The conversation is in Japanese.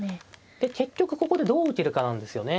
で結局ここでどう受けるかなんですよね